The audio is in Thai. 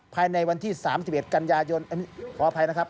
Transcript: ภายในวันที่๓๑กันยายนอันนี้ขออภัยนะครับ